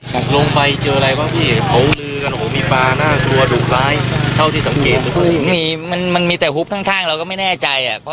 หลงไปเจออะไรวะพี่เขาลือมีปลา